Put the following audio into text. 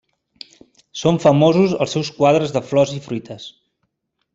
Són famosos els seus quadres de flors i fruites.